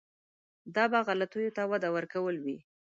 دا به غلطیو ته وده ورکول وي.